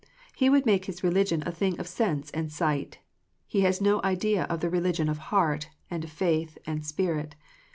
He would make his religion a thing of sense and sight. He has no idea of the religion of heart, and faith, and spirit.